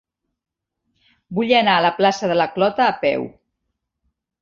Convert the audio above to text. Vull anar a la plaça de la Clota a peu.